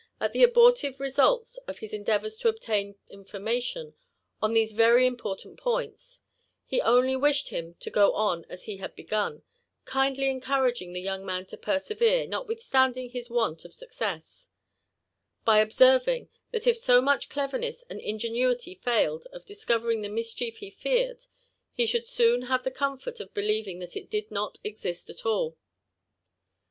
at the abortive result of his endeavours to obtain information on these very important points; he only wished him to goon as he had begun, kindly en* couraging the young man to persevere notwithstanding his want of success, by observing that if so much cleverness and ingenuity failed of discovering the mischief he feared, he should soon have the comfort of believing that it did not exist at all.